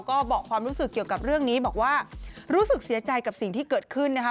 ก็บอกความรู้สึกเกี่ยวกับเรื่องนี้บอกว่ารู้สึกเสียใจกับสิ่งที่เกิดขึ้นนะคะ